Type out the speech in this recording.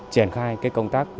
triển khai công tác